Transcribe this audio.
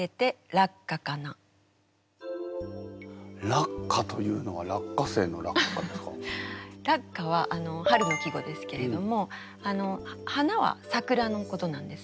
「落花」というのは「落花」は春の季語ですけれども花は桜のことなんですね。